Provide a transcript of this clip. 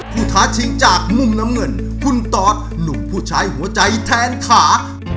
ท้าชิงจากมุมน้ำเงินคุณตอสหนุ่มผู้ใช้หัวใจแทนขา